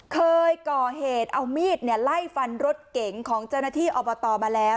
เคยก่อเหตุเอามีดไล่ฟันรถเก๋งของเจ้าหน้าที่อบตมาแล้ว